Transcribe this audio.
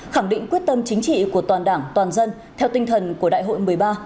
khẳng định quyết tâm chính trị của toàn đảng toàn dân theo tinh thần của đại hội một mươi ba